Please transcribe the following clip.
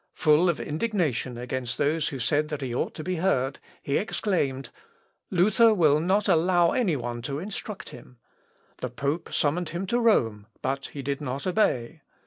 Full of indignation against those who said that he ought to be heard, he exclaimed, "Luther will not allow any one to instruct him." The pope summoned him to Rome, but he did not obey.